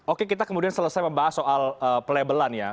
oke kita kemudian selesai membahas soal pelabelan ya